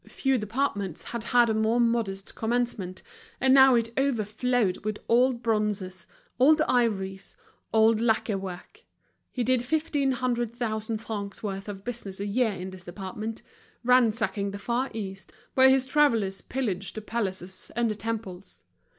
Few departments had had a more modest commencement, and now it overflowed with old bronzes, old ivories, old lacquer work. He did fifteen hundred thousand francs' worth of business a year in this department, ransacking the Far East, where his travellers pillaged the palaces and the temples.